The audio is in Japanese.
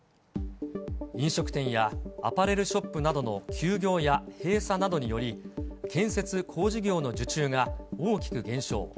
飲食店やアパレルショップなどの休業や閉鎖などにより、建設・工事業の受注が大きく減少。